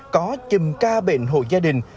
có chùm ca bệnh hộ gia đình